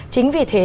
chính vì thế